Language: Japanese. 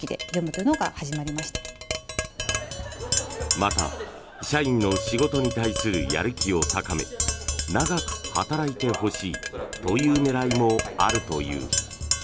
また、社員の仕事に対するやる気を高め長く働いてほしいという狙いもあるという。